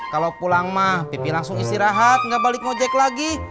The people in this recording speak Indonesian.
kalau pulang mah pipih langsung istirahat gak balik mau jek lagi